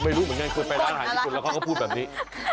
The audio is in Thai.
ไม่รู้เหมือนกันเคยไปร้านอาหารญี่ปุ่นแล้วเขาก็พูดแบบนี้